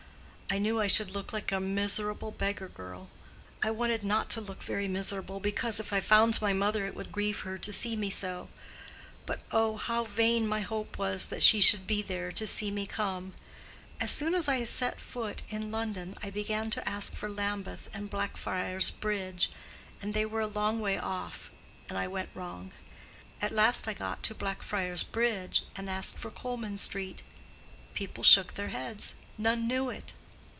I knew I should look like a miserable beggar girl. I wanted not to look very miserable, because if I found my mother it would grieve her to see me so. But oh, how vain my hope was that she would be there to see me come! As soon as I set foot in London, I began to ask for Lambeth and Blackfriars Bridge, but they were a long way off, and I went wrong. At last I got to Blackfriars Bridge and asked for Colman Street. People shook their heads. None knew it.